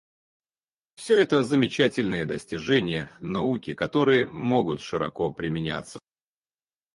Все это — замечательные достижения науки, которые могут широко применяться.